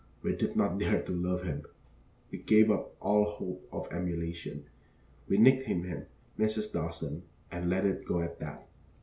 We did not dare to love him; we gave up all hope of emulation. We nicknamed him Mrs. Dawson, and let it go at that.